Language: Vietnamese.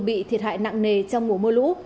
bị thiệt hại nặng nề trong mùa mưa lũ